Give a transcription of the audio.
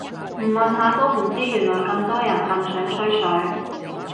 唔問下都唔知原來咁多人咁想吹水